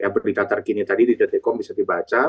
berita terkini tadi di detikkom bisa dibaca